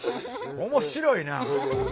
面白いな。